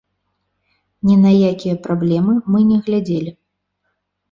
Ні на якія праблемы мы не глядзелі.